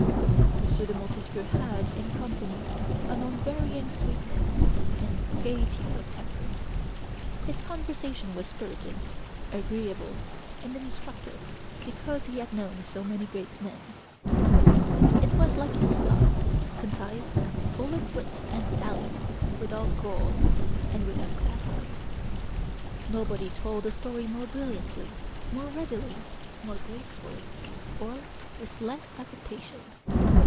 M. de Montesquieu had, in company, an unvarying sweetness and gayety of temper. His conversation was spirited, agreeable, and instructive, because he had known so many great men. It was, like his style, concise, full of wit and sallies, without gall, and without satire. Nobody told a story more brilliantly, more readily, more gracefully, or with less affectation.